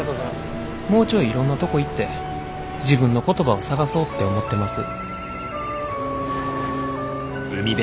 「もうちょいいろんなとこ行って自分の言葉を探そうって思ってます」。